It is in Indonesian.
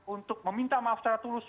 untuk meminta maaf secara tulus